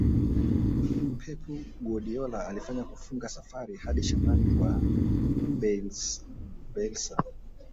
pep guardiola aliwahi kufunga safari hadi shambani kwa bielsa